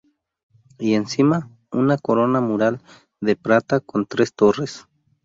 Y encima una corona mural de prata, con tres torres.